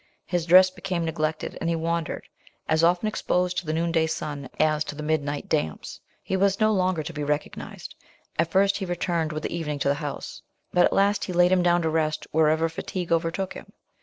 His dress became neglected, and he wandered, as often exposed to the noon day sun as to the midnight damps. He was no longer to be recognized; at first he returned with the evening to the house; but at last he laid him down to rest wherever fatigue overtook him.